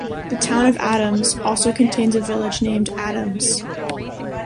The Town of Adams also contains a village named Adams.